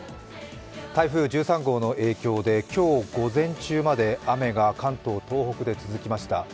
台風１３号の影響で今日午前中まで雨が関東・東北で続きました。